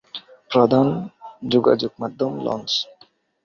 প্রধান যোগাযোগ মাধ্যম লঞ্চ।